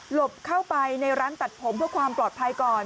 บเข้าไปในร้านตัดผมเพื่อความปลอดภัยก่อน